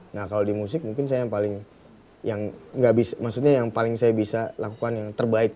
nah kalau di musik mungkin saya yang paling yang nggak bisa maksudnya yang paling saya bisa lakukan yang terbaik